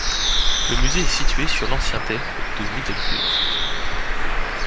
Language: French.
Le musée est situé sur l'ancien terp de Middelbuurt.